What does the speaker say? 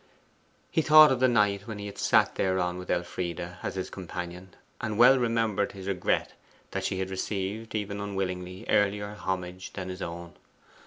He thought of the night when he had sat thereon with Elfride as his companion, and well remembered his regret that she had received, even unwillingly, earlier homage than his own.